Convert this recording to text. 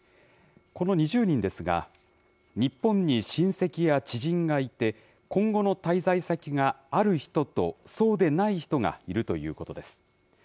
この２０人ですが、日本に親戚や知人がいて、今後の滞在先がある人とそうでない人がいるということです。